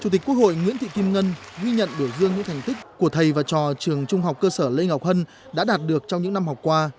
chủ tịch quốc hội nguyễn thị kim ngân ghi nhận biểu dương những thành tích của thầy và trò trường trung học cơ sở lê ngọc hân đã đạt được trong những năm học qua